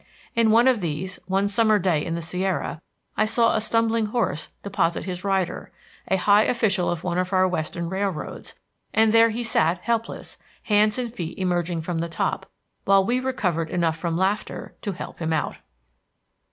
In one of these, one summer day in the Sierra, I saw a stumbling horse deposit his rider, a high official of one of our Western railroads; and there he sat helpless, hands and feet emerging from the top, until we recovered enough from laughter to help him out.